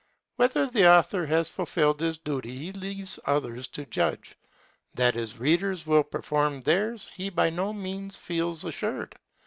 Whether the author has fulfilled his duty he leaves others to judge, that his readers will perform theirs he by no means feels assured.